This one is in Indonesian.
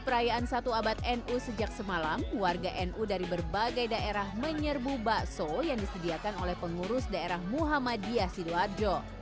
perayaan satu abad nu sejak semalam warga nu dari berbagai daerah menyerbu bakso yang disediakan oleh pengurus daerah muhammadiyah sidoarjo